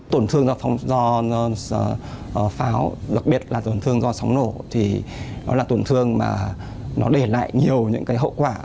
tổn thương do pháo đặc biệt là tổn thương do sóng nổ thì nó là tổn thương mà nó để lại nhiều những cái hậu quả